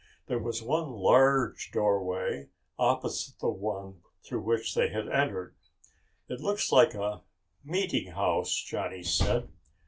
There was one large doorway opposite the one through which they had entered. "It looks like a meeting house," Johnny said.